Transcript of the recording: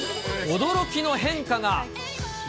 驚きの変化が。